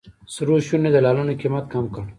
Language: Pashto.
سرو شونډو یې د لعلونو قیمت کم کړ.